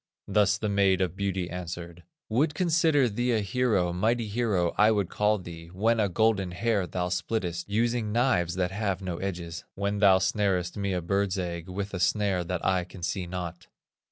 Thus the Maid of Beauty answered: "Would consider thee a hero, Mighty hero, I would call thee, When a golden hair thou splittest, Using knives that have no edges; When thou snarest me a bird's egg With a snare that I can see not."